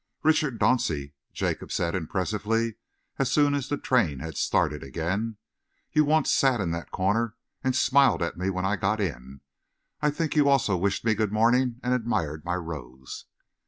"Richard Dauncey," Jacob said impressively, as soon as the train had started again, "you once sat in that corner and smiled at me when I got in. I think you also wished me good morning and admired my rose."